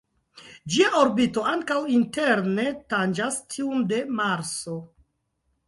Ĝia orbito ankaŭ interne tanĝas tiun de Marso.